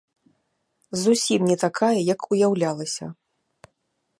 Зусім не такая, як уяўлялася.